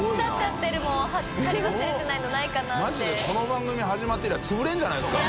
この番組始まって以来つぶれるんじゃないですか？